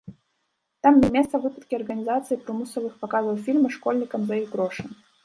Там мелі месца выпадкі арганізацыі прымусовых паказаў фільма школьнікам за іх грошы.